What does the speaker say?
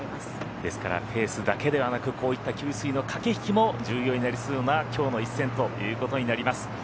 ですから、ペースだけではなくこういった給水の駆け引きも重要になりそうなきょうの一戦ということになりそうです。